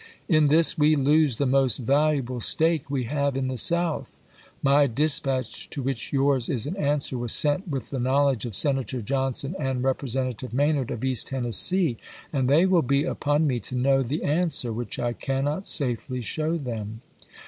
In this we lose the most valuable stake we have in the South. My dispatch, to which yours is an answer, was sent with the knowledge of Senator Johnson and Representative Maynard of East Tennessee, and they will be upon me to know the answer, which I cannot safely show them.